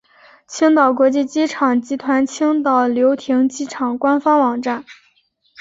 青岛国际机场集团青岛流亭机场官方网站